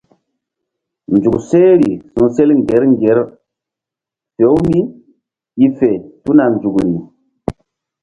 Nzuk sehri su̧sel ŋgir ŋgir fe-u mí i fe tuna nzukri.